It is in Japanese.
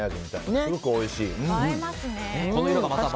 すごくおいしい。